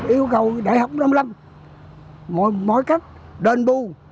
yêu cầu đại học nông lâm mọi cách đền bù